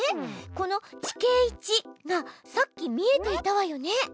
この「地形１」がさっき見えていたわよね。